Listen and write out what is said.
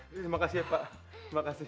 terima kasih ya pak terima kasih